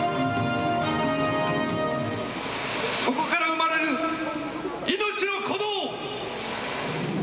そこから生まれる命の鼓動。